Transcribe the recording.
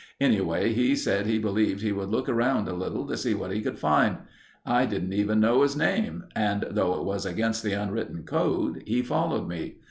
Anyway, he said he believed he would look around a little to see what he could find. I didn't even know his name and though it was against the unwritten code, he followed me.